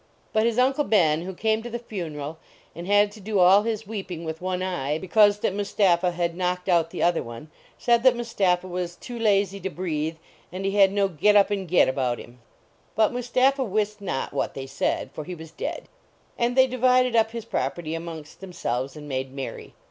But his Uncle Ben, who came to the funeral, and had to do all his weeping with one eye, because that Mu>tapha had knocked out the other one, said that Mustapha was too lazy to breathe, and he had no gct up and get about him. 195 THE VACATION OF MUSTAPIIA But Mustapha wist not what they said, for he was dead. And they divided up his property amongst themselves, and made merry.